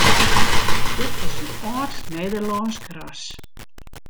Dit is in âld Nederlânsk ras.